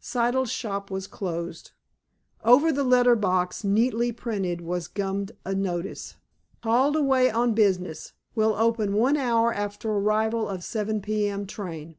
Siddle's shop was closed. Over the letter box, neatly printed, was gummed a notice: _"Called away on business. Will open for one hour after arrival of 7 p. m. train.